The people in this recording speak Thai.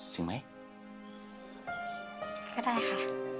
ถึงไหมก็ได้ค่ะ